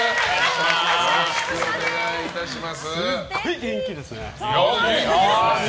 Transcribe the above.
すごい元気ですね。